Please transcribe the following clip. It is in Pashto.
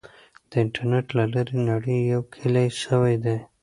د انټرنیټ له لارې نړۍ یو کلی سوی دی.